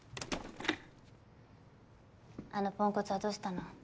あのポンコツはどうしたの？